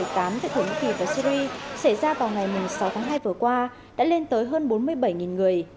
tại thổ nhĩ kỳ và syri xảy ra vào ngày sáu tháng hai vừa qua đã lên tới hơn bốn mươi bảy người